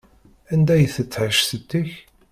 Anda i tettƐic setti-k?